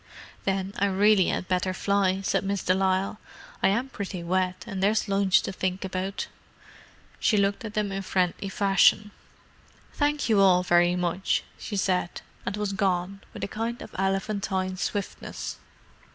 "Then I really had better fly," said Miss de Lisle. "I am pretty wet, and there's lunch to think about." She looked at them in friendly fashion. "Thank you all very much," she said—and was gone, with a kind of elephantine swiftness.